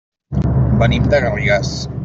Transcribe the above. Venim de Garrigàs.